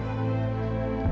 iya gue tahu